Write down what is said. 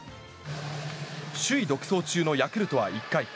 首位独走中のヤクルトは１回。